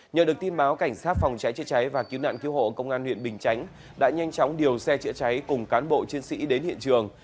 nhờ được tin báo cảnh sát phòng cháy chế cháy và cứu nạn cứu hộ công an huyện bình chánh đã nhanh chóng điều xe chữa cháy cùng cán bộ chiến sĩ đến hiện trường